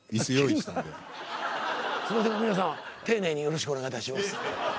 すいませんが皆さま丁寧によろしくお願いいたします。